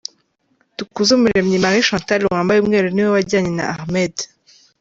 Dukuzumuremyi Marie Chantal wambaye umweru niwe wajyanye na Ahmed.